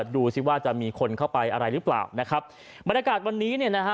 ดูสิว่าจะมีคนเข้าไปอะไรหรือเปล่านะครับบรรยากาศวันนี้เนี่ยนะฮะ